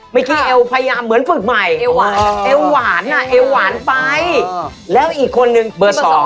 เมื่อกี้เอวพยายามเหมือนฝึกใหม่เอวหวานเอวหวานอ่ะเอวหวานไปแล้วอีกคนนึงเบอร์๒